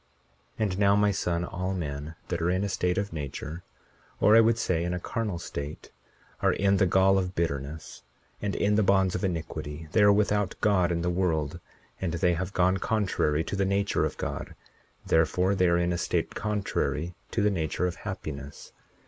41:11 And now, my son, all men that are in a state of nature, or I would say, in a carnal state, are in the gall of bitterness and in the bonds of iniquity; they are without God in the world, and they have gone contrary to the nature of God; therefore, they are in a state contrary to the nature of happiness.